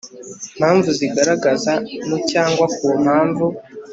mpamvu zigaragaza no cyangwa ku mpamvu